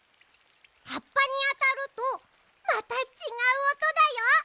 はっぱにあたるとまたちがうおとだよ。